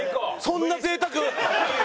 そんな贅沢！